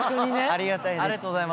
ありがたいです。